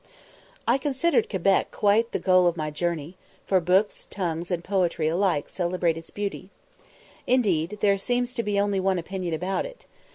I considered Quebec quite the goal of my journey, for books, tongues, and poetry alike celebrate its beauty. Indeed, there seems to be only one opinion about it.